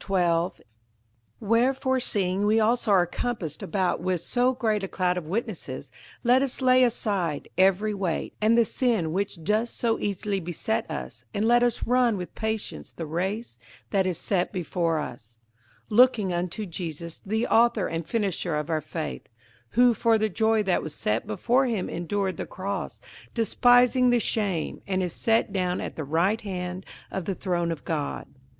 58:012:001 Wherefore seeing we also are compassed about with so great a cloud of witnesses, let us lay aside every weight, and the sin which doth so easily beset us, and let us run with patience the race that is set before us, 58:012:002 Looking unto Jesus the author and finisher of our faith; who for the joy that was set before him endured the cross, despising the shame, and is set down at the right hand of the throne of God.